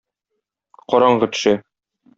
Караңгы төшә.